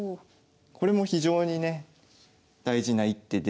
これも非常にね大事な一手で。